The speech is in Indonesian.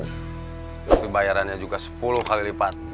tapi bayarannya juga sepuluh kali lipat